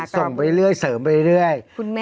ส่งไปเรื่อยเสริมไปเรื่อย